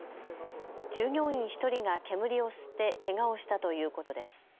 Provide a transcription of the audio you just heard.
従業員１人が煙を吸ってけがをしたということです。